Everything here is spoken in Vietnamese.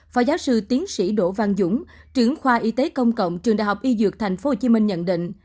phó giáo sư tiến sĩ đỗ văn dũng trưởng khoa y tế công cộng trường đại học y dược tp hcm nhận định